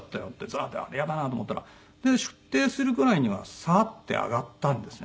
ザーッて雨イヤだなって思ったら出艇するぐらいにはサーッて上がったんですね。